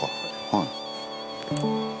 はい。